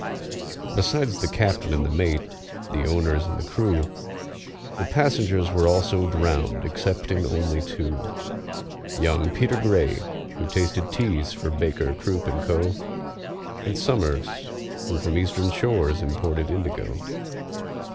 Besides the captain and the mate, the owners and the crew, The passengers were also drowned excepting only two: Young PETER GRAY, who tasted teas for BAKER, CROOP, AND CO., And SOMERS, who from Eastern shores imported indigo.